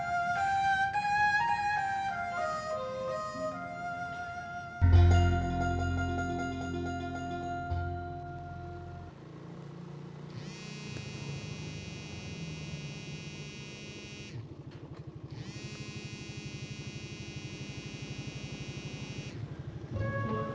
tar saya dikira mandul